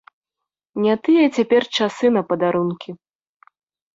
Не тыя цяпер часы на падарункі.